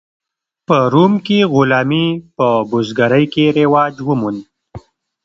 په روم کې غلامي په بزګرۍ کې رواج وموند.